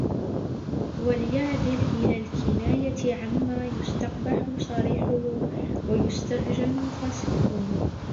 وَلْيَعْدِلْ إلَى الْكِنَايَةِ عَمَّا يُسْتَقْبَحُ صَرِيحُهُ وَيُسْتَهْجَنُ فَصِيحُهُ